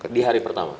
di hari pertama